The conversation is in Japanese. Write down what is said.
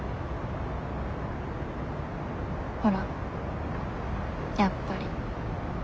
ほらやっぱり。